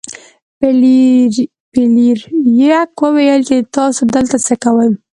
فلیریک وویل چې تاسو دلته څه کوئ.